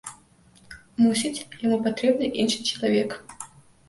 Мусіць, яму патрэбны іншы чалавек.